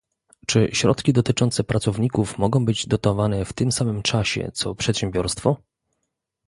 Czy środki dotyczące pracowników mogą być dotowane w tym samym czasie, co przedsiębiorstwo?